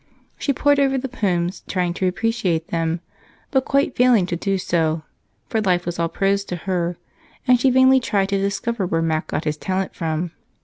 She pored over the poems, trying to appreciate them but quite failing to do so, for life was all prose to her, and she vainly tried to discover where Mac got his talent from.